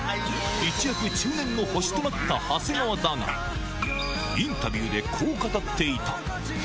一躍、中年の星となった長谷川だが、インタビューでこう語っていた。